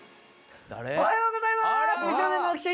おはようございます！